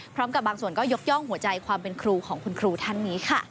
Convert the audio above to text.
บางส่วนก็ยกย่องหัวใจความเป็นครูของคุณครูท่านนี้ค่ะ